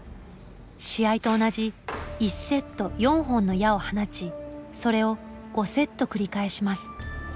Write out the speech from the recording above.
試合と同じ１セット４本の矢を放ちそれを５セット繰り返します。